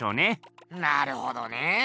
なるほどねえ。